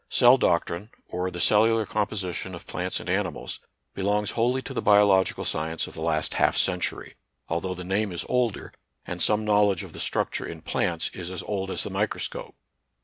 Cell doctrine, or the cellular composition of plants and animals, belongs wholly to the biological science of the last half century, al though the name is older, and some knowledge of the structure in plants is as old as the micro scope.